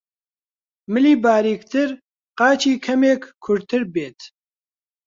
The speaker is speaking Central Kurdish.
ملی باریکتر، قاچی کەمێک کورتتر بێت